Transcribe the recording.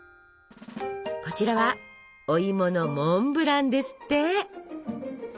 こちらはおいものモンブランですって！